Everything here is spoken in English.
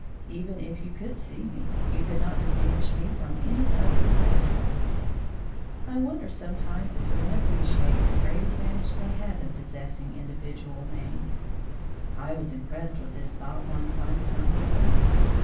Even if you could see me, you could not distinguish me from any other electron. I wonder sometimes if men appreciate the great advantage they have in possessing individual names. I was impressed with this thought one fine summer morning.